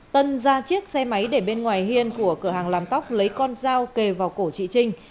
tân ra chiếc xe máy để bên ngoài hiên của cửa hàng làm tóc lấy con dao kề vào cổ chị trinh